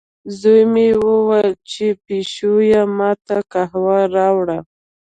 زوی مې وویلې، چې پیشو یې ما ته قهوه راوړه.